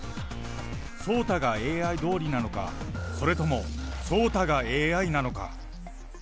聡太がＡＩどおりなのか、それとも聡太がＡＩなのか。